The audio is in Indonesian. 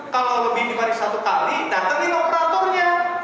kalau lebih dibanding satu kali datangin operatornya